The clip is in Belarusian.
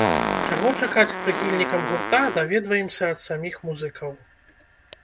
Чаго чакаць прыхільнікам гурта, даведваемся ад саміх музыкаў.